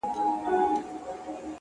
مهربان الفاظ ژور اغېز لري.!